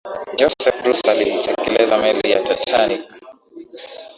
joseph bruce aliitelekeza meli yake ya titanic